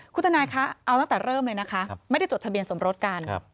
คุณทนายคะเอาตั้งแต่เริ่มเลยนะคะไม่ได้จดทะเบียนสมรสกัน